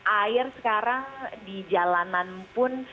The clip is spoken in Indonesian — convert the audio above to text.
air sekarang di jalanan pun